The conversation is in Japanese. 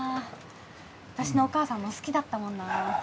私のお母さんも好きだったもんな。